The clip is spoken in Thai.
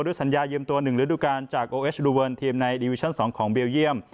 ด้วยสัญญายืมตัว๑ฤดูการจากโอเอสลูเวิร์นทีมในดิวิชั่น๒ของเบลเยี่ยม